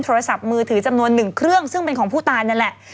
โทรศัพท์มือถือจำนวนหนึ่งเครื่องซึ่งเป็นของผู้ตายนั่นแหละ